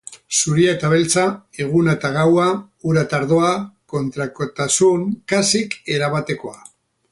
Zuria eta beltza, eguna eta gaua, ura eta ardoa... kontrakotasun kasik erabatekoa.